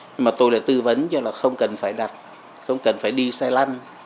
nhưng mà tôi lại tư vấn cho là không cần phải đặt không cần phải đi xe lăn